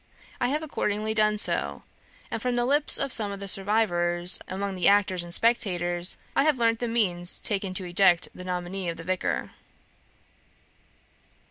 I have accordingly done so, and, from the lips of some of the survivors among the actors and spectators, I have learnt the means taken to eject the nominee of the Vicar.